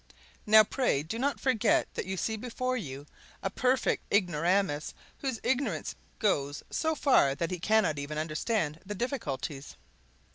Now pray do not forget that you see before you a perfect ignoramus whose ignorance goes so far that he cannot even understand the difficulties!